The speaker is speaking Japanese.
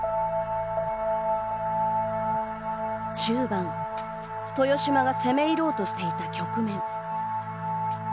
中盤、豊島が攻め入ろうとしていた局面。